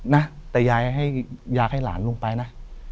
นะแต่ยายอยากให้หลานลงไปนะ